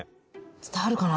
伝わるかな？